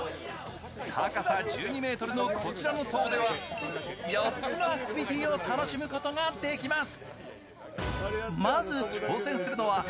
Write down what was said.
高さ１２ｍのこちらの塔では４つのアクティビティーを楽しむことができます。